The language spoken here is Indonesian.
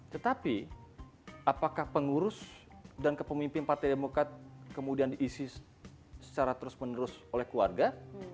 tetapi apakah pengurus dan kepemimpin partai demokrat kemudian diisi secara terus menerus oleh keluarga